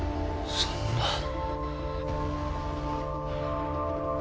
そんな。